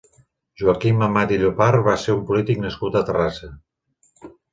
Joaquim Amat i Llopart va ser un polític nascut a Terrassa.